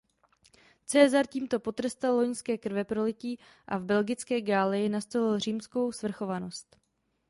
Caesar tímto potrestal loňské krveprolití a v belgické Galii nastolil římskou svrchovanost.